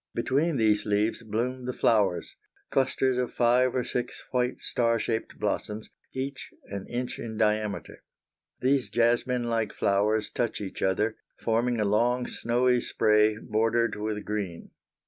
Between these leaves bloom the flowers; clusters of five or six white star shaped blossoms, each an inch in diameter. These jessamine like flowers touch each other, forming a long snowy spray bordered with green.